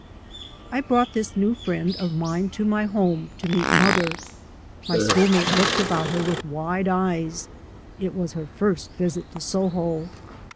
I brought this new friend of mine to my home to meet mother. My school mate looked about her with wide eyes; it was her first visit to Soho.